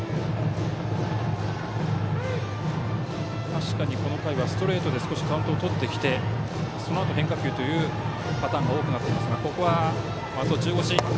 確かにこの回はストレートで少しカウントをとってきてそのあと変化球というパターンが多くなっています。